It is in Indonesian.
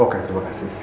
oke terima kasih